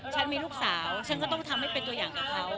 ฉันมีลูกสาวฉันก็ต้องทำให้เป็นตัวอย่างกับเขา